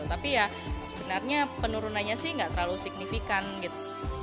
tapi ya sebenarnya penurunannya sih nggak terlalu signifikan gitu